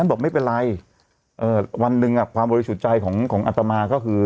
บอกไม่เป็นไรเอ่อวันหนึ่งความบริสุทธิ์ใจของของอัตมาก็คือ